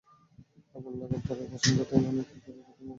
আগুন লাগার পরপরই বাসিন্দাদের অনেকে ঘরে ঢুকে মালামাল বের করে আনেন।